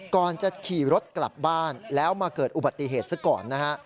ก่อนจะขี่รถกลับบ้านแล้วมาเกิดอุบัติเหตุซะก่อนนะฮะ